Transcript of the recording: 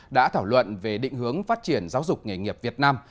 đã thảo luận về định hướng phát triển giáo dục nghề nghiệp việt nam